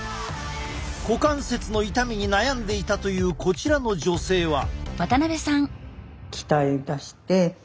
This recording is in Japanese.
股関節の痛みに悩んでいたというこちらの女性は。